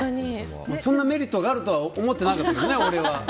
そんなメリットがあるとは思ってなかったけどね、俺は。